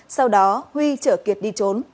sau đó huy chở kiệt đi trốn